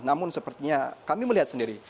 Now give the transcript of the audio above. namun sepertinya kami melihat sendiri